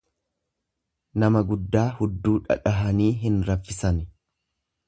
Nama guddaa hudduu dhadhahani hin raffisani.